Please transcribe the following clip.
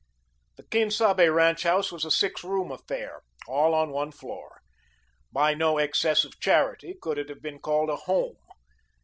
The Quien Sabe ranch house was a six room affair, all on one floor. By no excess of charity could it have been called a home.